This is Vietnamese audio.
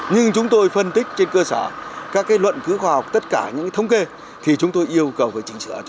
nhưng chúng tôi phân tích trên cơ sở các luận cứu khoa học tất cả những thống kê thì chúng tôi yêu cầu phải chỉnh sửa